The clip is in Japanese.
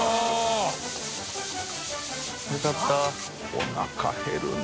おなか減るね。